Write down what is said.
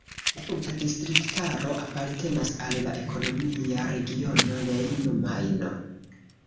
La tuta distriktaro apartenas al la ekonomia regiono Rejno-Majno.